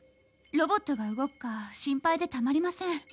ロボットが動くか心配でたまりません。